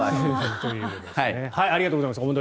ありがとうございます。